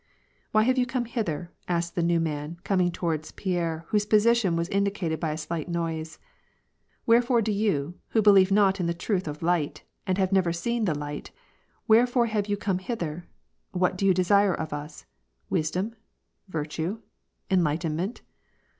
" Why have you come hither ?" asked the new man, coming toward Pierre, whose position was indicated by a slight noise. " Wherefore do you, who believe not in the truth of light, and have never seen the light, wherefore have you come hither ? What do you desire of us ? Wisdom ? virtue ? en lightenment